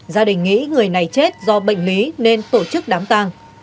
gia đình nghĩ người này chết do bệnh lý nên tổ chức đám tàng